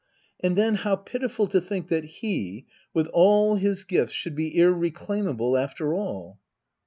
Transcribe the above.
And then how pitiful to think that he — with all his gifts — should be irreclaimable, after all.